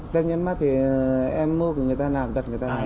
tem nhẵn mắt thì em mua người ta làm đặt người ta làm